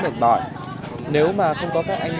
mệt bỏi nếu mà không có các anh